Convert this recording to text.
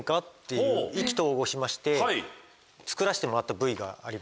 しまして作らせてもらったＶＴＲがあります。